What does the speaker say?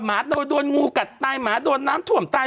หมาโดนงูกัดใต้หมาโดนน้ำถ่วมใต้